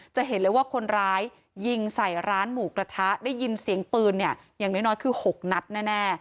จะเห็นเลยว่าคนร้ายยิงใส่ร้านหมูกระทะได้ยินเสียงปืนเนี่ยอย่างน้อยคือ๖นัดแน่